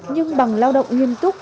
nhưng bằng lao động nghiên túc